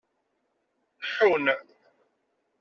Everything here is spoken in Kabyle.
Ḥun.